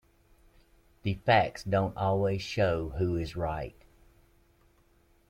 The facts don't always show who is right.